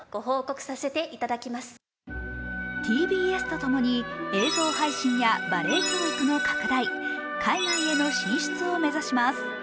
ＴＢＳと共に映像配信やバレエ教育の拡大、海外への進出を目指します。